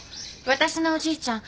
わたしのおじいちゃん